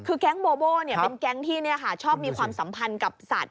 คือแก๊งโบโบ้เป็นแก๊งที่ชอบมีความสัมพันธ์กับสัตว